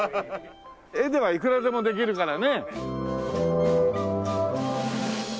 絵ではいくらでもできるからね。